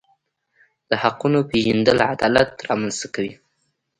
د حقونو پیژندل عدالت رامنځته کوي.